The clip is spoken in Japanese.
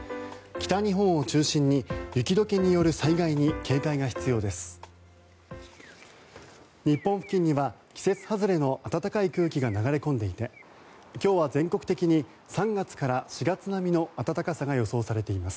北日本を中心に雪解けによる災害に警戒が必要です。